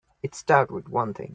It start with one thing.